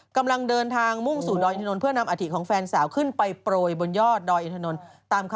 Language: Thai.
กำลังเดินทางมุ่งสู่ดอยนทนนท์เพื่อนนำอาถิตของแฟนสาวจากตรังไปดอยนทนนท์นะคะ